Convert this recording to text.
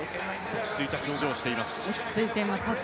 落ち着いた表情をしています。